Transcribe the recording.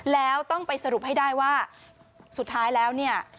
แล้วต้องไปสรุปให้ได้ว่าสุดท้ายแล้วเนี่ย